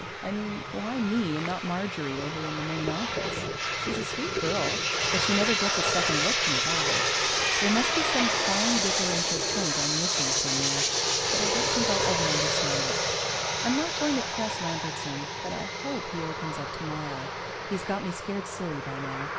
I mean, why me and not Marjorie over in the Main Office? She's a sweet girl, but she never gets a second look from the guys. There must be some fine differential point I'm missing somewhere, but I don't think I'll ever understand it. I'm not going to press Lambertson, but I hope he opens up tomorrow. He's got me scared silly by now.